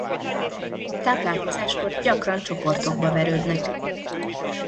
Táplálkozáskor gyakran csoportokba verődnek.